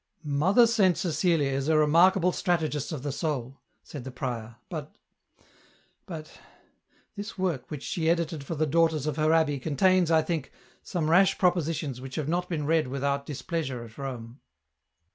" Mother Saint Cecilia is a remarkable strategist of the soul," said the prior, " but ... but ... this work, which she edited for the daughters of her abbey, contains, I think, some rash propositions which have not been read without dis pleasure at Rome."